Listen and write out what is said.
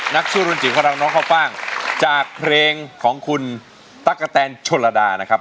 นักชู่รุ่นจีบฝรั่งน้องข้าวฟ่างจากเพลงของคุณตะกะแตนโชลดานะครับ